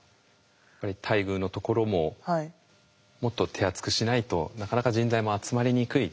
やっぱり待遇のところももっと手厚くしないとなかなか人材も集まりにくい。